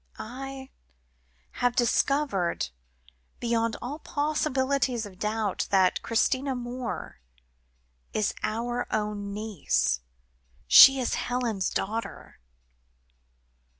I have discovered beyond all possibilities of doubt, that Christina Moore is our own niece. She is Helen's daughter."